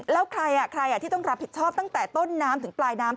แล้วใครที่ต้องรับผิดชอบตั้งแต่ต้นน้ำถึงปลายน้ำ